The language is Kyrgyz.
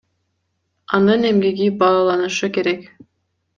Анын эмгеги бааланышы керек.